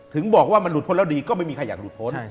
ถึงบอกว่ามันหลุดพ้นแล้วดีก็ไม่มีใครอยากหลุดพ้น